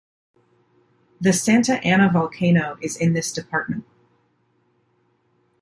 The Santa Ana Volcano is in this department.